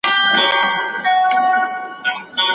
پردي وطن ته په کډه تللي